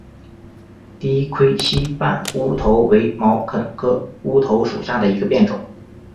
低盔膝瓣乌头为毛茛科乌头属下的一个变种。